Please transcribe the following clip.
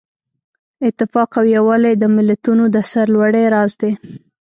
اتفاق او یووالی د ملتونو د سرلوړۍ راز دی.